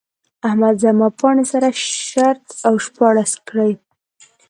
احمد زما پاڼې سره شرت او شپاړس کړې.